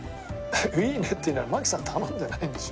「いいね」って言いながら槙さん頼んでないんでしょ？